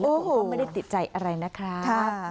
ผมก็ไม่ได้ติดใจอะไรนะครับ